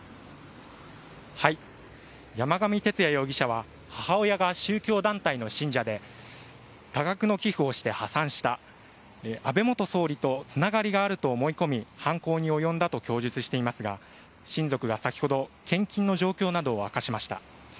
山上徹也容疑者は母親が宗教団体の信者で多額の寄付をして破産した安倍元総理とつながりがあると思い込み犯行に及んだと供述していますが親族が先ほど献金の状況などを明かしました。